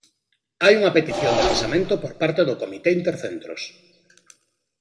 Hai unha petición de cesamento por parte do Comité Intercentros.